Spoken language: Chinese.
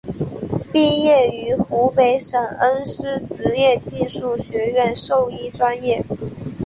毕业于湖北省恩施职业技术学院兽医专业。